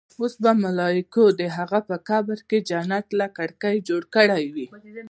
اوس به ملايکو د هغه په قبر کې جنت له کړکۍ جوړ کړې وي.